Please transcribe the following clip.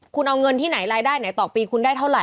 คุณเอาเงินที่ไหนรายได้ไหนต่อปีคุณได้เท่าไห